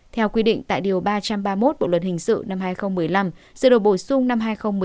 theo quy định tại điều ba trăm ba mươi một bộ luật hình sự năm hai nghìn một mươi năm sự đổi bổ sung năm hai nghìn một mươi bảy